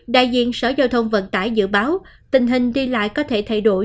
đại diện sở giao thông vận tải dự báo tình hình đi lại có thể thay đổi